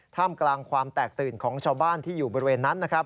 ท่ามกลางความแตกตื่นของชาวบ้านที่อยู่บริเวณนั้นนะครับ